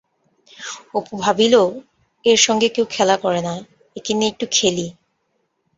অপু ভাবিল-এর সঙ্গে কেউ খেলা করে না, একে নিয়ে একটু খেলি।